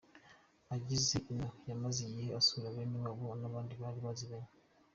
Ageze ino yamaze igihe asura bene wabo n’abandi bari baziranye.